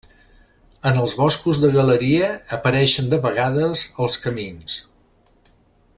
En els boscos de galeria apareixen de vegades els camins.